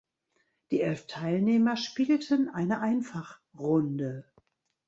Die elf Teilnehmer spielten eine Einfachrunde.